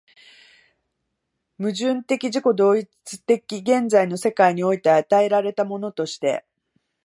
矛盾的自己同一的現在の世界において与えられたものとして、